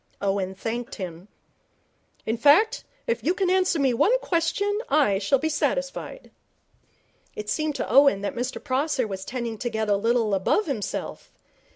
Owen thanked him. 'In fact, if you can answer me one question I shall be satisfied.' It seemed to Owen that Mr Prosser was tending to get a little above himself.